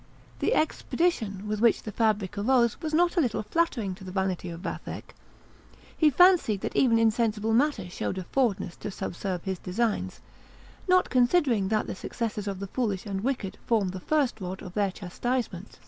The expedition with which the fabric arose was not a little flattering to the vanity of Vathek. He fancied that even insensible matter showed a forwardness to subserve his designs, not considering that the successes of the foolish and wicked form the first rod of their chastisement.